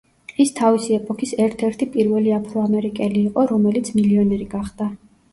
ის თავისი ეპოქის ერთ-ერთი პირველი აფროამერიკელი იყო, რომელიც მილიონერი გახდა.